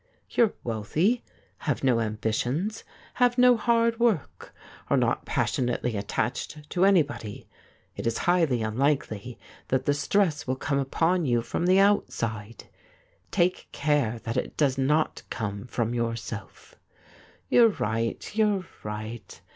You're wealthy, have no ambitions, have no hard work, are not passionately attached to anybody. It is highly unlikely that the stress will come upon you from the outside — take care that it does not come from yourself.' ' You're right, you're right.